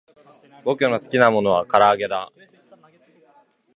ぼくのすきなたべものはからあげだ